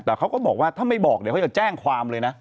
แต่เขาก็บอกว่าถ้าไม่บอกเดี๋ยวเขาจะแจ้งความเลยนะ